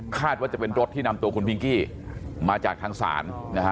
ว่าจะเป็นรถที่นำตัวคุณพิงกี้มาจากทางศาลนะฮะ